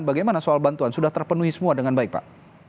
bagaimana soal bantuan sudah terpenuhi semua dengan baik pak